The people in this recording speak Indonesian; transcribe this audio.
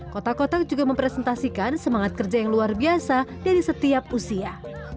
kotak kotak juga mempresentasikan semangat kerja yang luar biasa dari setiap usia